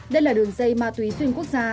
đây là đường dây ma túy xuyên quốc gia